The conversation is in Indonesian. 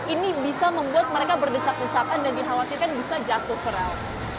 ini bisa membuat mereka berdesak desakan dan dikhawatirkan bisa jatuh ke raut